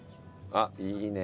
あっいいね。